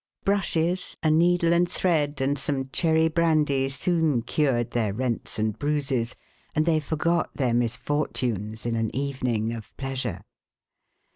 Brushes, a needle and thread and some cherry brandy soon cured their rents and bruises and they forgot their misfortunes in an evening of pleasure.